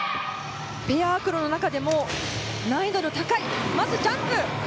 ペアアクロの中でも難易度の高い、まずジャンプ。